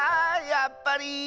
やっぱり。